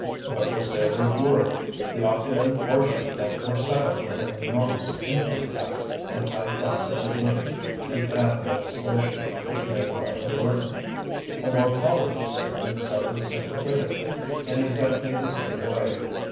What was their reward? The opulent portion of them were saddled with an enormous income tax and high prices of living through bad legislation, which made life a burden. The more poverty stricken suffered sympathetically in exactly the same way.